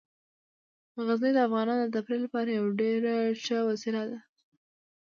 غزني د افغانانو د تفریح لپاره یوه ډیره ښه وسیله ده.